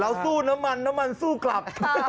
สู้น้ำมันน้ำมันสู้กลับ